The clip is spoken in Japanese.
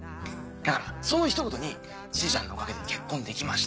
だからその一言に「しずちゃんのおかげで結婚できました。